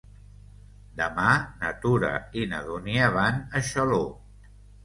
Demà na Tura i na Dúnia van a Xaló.